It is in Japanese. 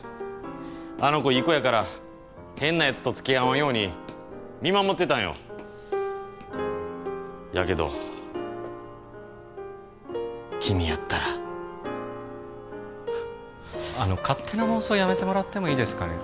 あの子いい子やから変なやつとつきあわんように見守ってたんよやけど君やったらあの勝手な妄想やめてもらってもいいですかね